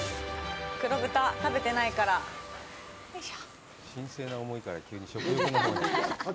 黒豚、食べてないから。よいしょ。